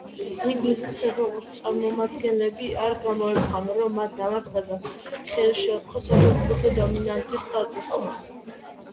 ინგლისის საფეხბურთო წარმომადგენლები არ გამორიცხავენ, რომ მათ დამარცხებას ხელი შეუწყო საფეხბურთო დომინანტის სტატუსმა.